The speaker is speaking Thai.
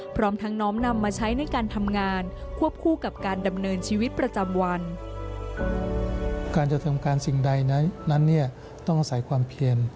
พร้อมทั้งน้อมนำมาใช้ในการทำงานควบคู่กับการดำเนินชีวิตประจำวันการจะทำการสิ่งใดนั้นเนี่ยต้องอาศัยความเพียน